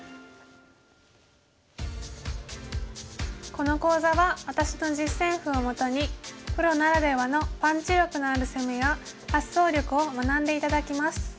この講座は私の実戦譜をもとにプロならではのパンチ力のある攻めや発想力を学んで頂きます。